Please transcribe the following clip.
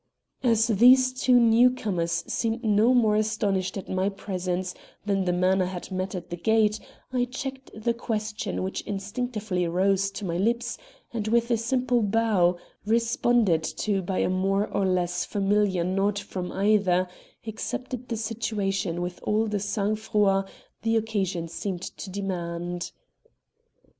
As these two new comers seemed no more astonished at my presence than the man I had met at the gate, I checked the question which instinctively rose to my lips and with a simple bow, responded to by a more or less familiar nod from either, accepted the situation with all the sang froid the occasion seemed to demand.